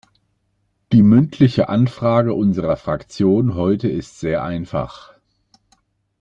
Die mündliche Anfrage unserer Fraktion heute ist sehr einfach.